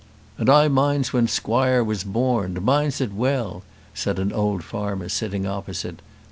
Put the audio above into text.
"And I minds when squoire was borned; minds it well," said an old farmer sitting opposite.